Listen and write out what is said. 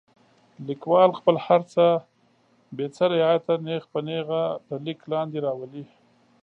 لیکوال خپل هر څه بې څه رعایته نیغ په نیغه د لیک لاندې راولي.